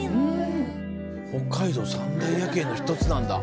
北海道三大夜景の一つなんだ。